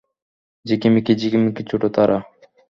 ঝিকিমিকি ঝিকিমিকি ছোট তারা।